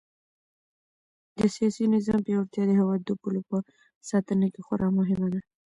د سیاسي نظام پیاوړتیا د هېواد د پولو په ساتنه کې خورا مهمه ده.